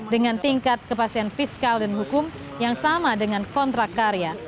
dengan tingkat kepastian fiskal dan hukum yang sama dengan kontrak karya